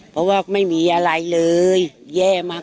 เพราะว่าไม่มีอะไรเลยแย่มาก